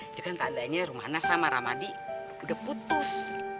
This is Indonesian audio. itu kan tak adanya rumah nasa sama rahmadi udah putus